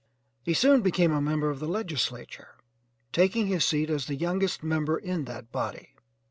He soon became a member of the legislature, taking his seat as the youngest member in that body.